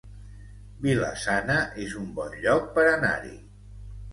Vila-sana es un bon lloc per anar-hi